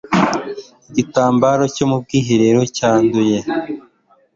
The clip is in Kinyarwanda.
igitambaro cyo mu bwiherero cyanduye